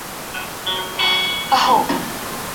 چي په منځ کي